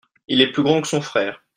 Il est plus grand que son frère.